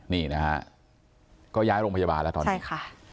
นี่นะฮะก็ย้ายโรงพยาบาลแล้วตอนนี้ใช่ค่ะ